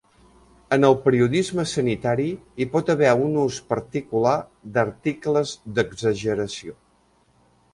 En el periodisme sanitari hi pot haver un ús particular d'articles d'exageració.